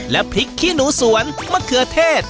และพริกขี้หนูสวนมะเขือเทศ